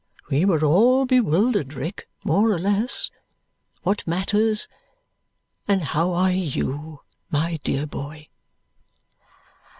We were all bewildered, Rick, more or less. What matters! And how are you, my dear boy?"